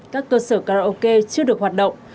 các cơ sở karaoke chưa được hoạt động